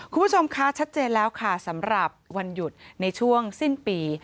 คุณผู้ชมคะชัดเจนแล้วค่ะสำหรับวันหยุดในช่วงสิ้นปี